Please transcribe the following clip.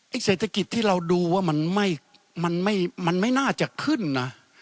เศรษฐกิจที่เราดูว่ามันไม่น่าจะขึ้นนะ